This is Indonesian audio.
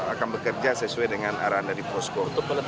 akan bekerja sesuai dengan arahan dari posko